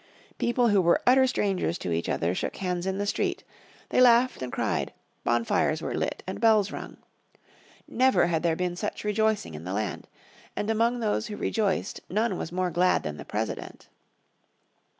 People who were utter strangers to each other shook hands in the street, they laughed and cried, bonfires were lit and bells rung. Never had there been such rejoicing in the land. And among those who rejoiced none was more glad than the President.